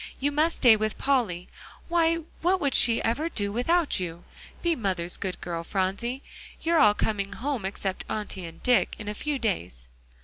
"You must stay with Polly. Why, what would she ever do without you? Be mother's good girl, Phronsie; you're all coming home, except Auntie and Dick, in a few days."